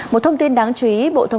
một thông tin đáng chú ý